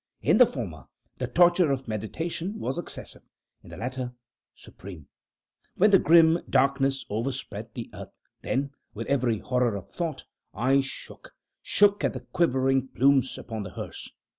In the former, the torture of meditation was excessive in the latter, supreme. When the grim Darkness overspread the Earth, then, with every horror of thought, I shook shook as the quivering plumes upon the hearse.